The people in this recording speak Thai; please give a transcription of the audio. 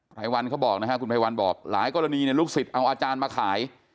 รายวันเขาบอกนะฮะคุณภัยวันบอกหลายกรณีลูกศิษย์เอาอาจารย์มาขาย